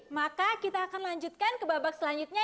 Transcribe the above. maka kita akan lanjutkan ke babak selanjutnya